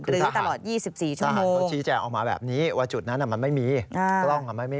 หรือตลอด๒๔ชั่วโมง